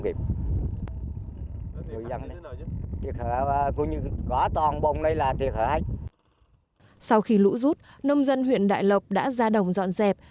nhiều cánh đồng bầu tròn thuộc xã đại an huyện đại lộc đã ra đồng dọn dẹp